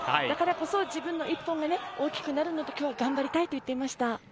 だからこそ自分の１本が大きくなるんだと今日は頑張りたいと言っていました。